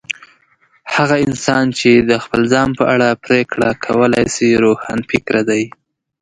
هغه انسان چي د خپل ځان په اړه خپله پرېکړه کولای سي، روښانفکره دی.